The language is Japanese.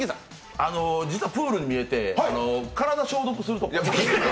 実はプールに見えて、体、消毒するとこ？